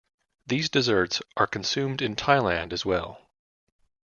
These desserts are consumed in Thailand as well.